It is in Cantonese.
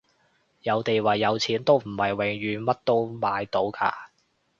有地位有錢都唔係永遠乜都買到㗎